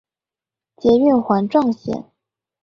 捷運環狀線